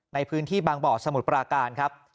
ในพื้นที่บางบ่อสมุทรปราการครับ